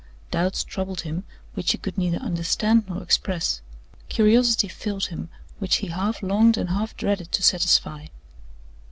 Doubts troubled him which he could neither understand nor express. Curiosity filled him, which he half longed and half dreaded to satisfy.